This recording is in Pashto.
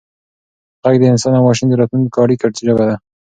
ږغ د انسان او ماشین د راتلونکو اړیکو ژبه ده.